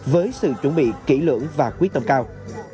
với sự chuẩn bị kỹ lưỡng và quyết tâm cao